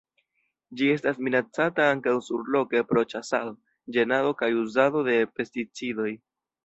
Ĝi estas minacata ankaŭ surloke pro ĉasado, ĝenado kaj uzado de pesticidoj.